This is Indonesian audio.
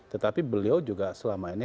tetapi beliau juga selama ini